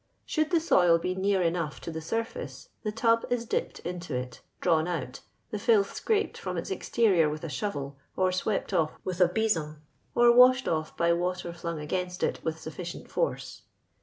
Should the soil bo near enough to the surface, the tub is dipped into it , drawn out, the tilth scraped from its exterior with a shovel, or swept ofl' with a besom, or washed off by water flung against it Tvith suffi cient force.